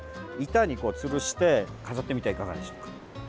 板につるして飾ってみてはいかがでしょうか。